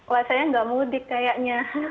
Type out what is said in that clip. wah saya nggak mudik kayaknya